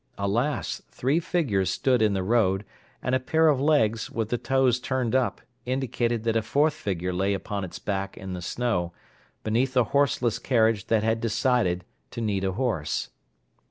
Alas! three figures stood in the road, and a pair of legs, with the toes turned up, indicated that a fourth figure lay upon its back in the snow, beneath a horseless carriage that had decided to need a horse.